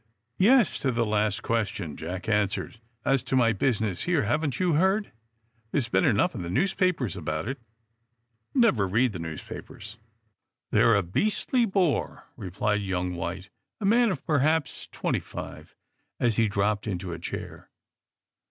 Yes, to the last question," Jack answered. '*As to my business here, haven't you heard t There has been enough in the newspapers about it." *^ Never read the newspapers. They're a beastly bore," replied young White, a man of perhaps twenty five, as he dropped into a chair.